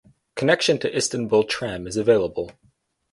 Connection to Istanbul Tram is available.